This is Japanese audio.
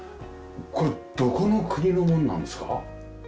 これどこの国のものなんですか？